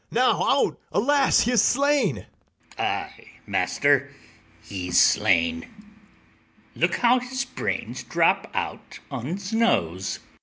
now, out, alas, he is slain! ITHAMORE. Ay, master, he's slain; look how his brains drop out on's nose.